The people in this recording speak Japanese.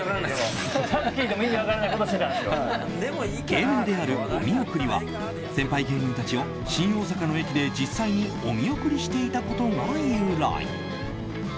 芸名である、お見送りは先輩芸人たちを新大阪の駅で実際にお見送りしていたことが由来。